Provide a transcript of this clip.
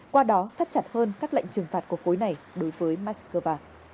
qua đó thắt chặt hơn các lệnh trừng phạt của khối này đối với moscow